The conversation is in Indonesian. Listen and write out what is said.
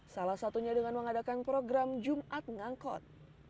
salah satunya dengan mengadakan program jumat ngangkot